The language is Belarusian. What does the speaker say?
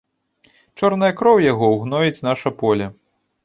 Чорная кроў яго ўгноіць наша поле.